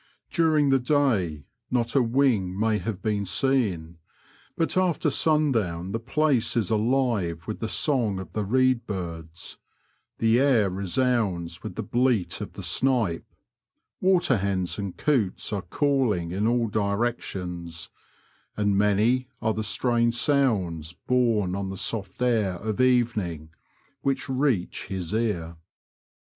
During the day not a wing may have been seen, but after sundown the place is aHve with the song of the reed birds, the air resounds with the bleat of the snipe, waterhens and coots are calling in all directions, and many are the strange sounds borne on the soft air of evening which reach his ear."